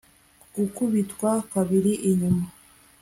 Gukubitwa kabiri inyuma